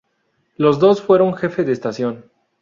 Los dos fueron jefe de estación.